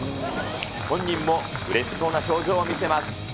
本人もうれしそうな表情を見せます。